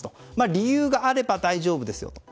理由があれば大丈夫ですよと。